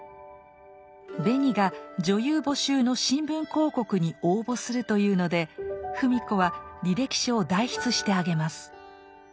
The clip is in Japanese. ベニが女優募集の新聞広告に応募するというので芙美子は履歴書を代筆してあげます。